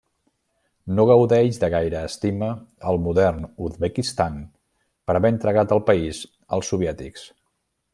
No gaudeix de gaire estima al modern Uzbekistan per haver entregat el país als soviètics.